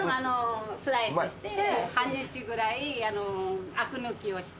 スライスして半日ぐらいあく抜きをして。